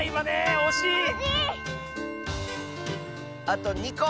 あと２こ！